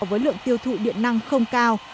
với lượng tiêu thụ điện năng không cao